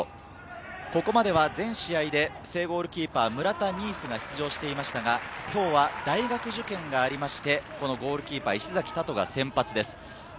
石崎大登、ここまでは正ゴールキーパー・村田新直が出場していましたが、今日は大学受験がありまして、ゴールキーパー・石崎大登が先発です。